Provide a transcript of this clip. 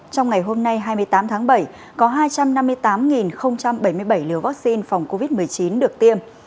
trong ngày hôm nay hai mươi tám tháng bảy có hai trăm năm mươi tám bảy mươi bảy liều vaccine phòng covid một mươi chín được tiêm